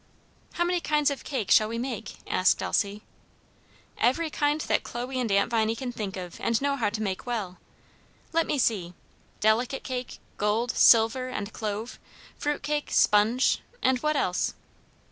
"How many kinds of cake shall we make?" asked Elsie. "Every kind that Chloe and Aunt Viney can think of and know how to make well. Let me see delicate cake, gold, silver and clove, fruitcake, sponge, and what else?"